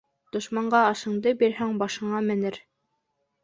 Дошманға ашыңды бирһәң, башыңа менер.